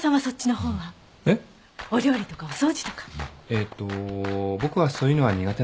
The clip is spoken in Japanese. えっと僕はそういうのは苦手な方で。